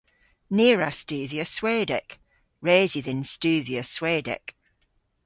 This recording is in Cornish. Ni a wra studhya Swedek. Res yw dhyn studhya Swedek.